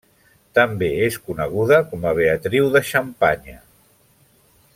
També és coneguda com a Beatriu de Xampanya.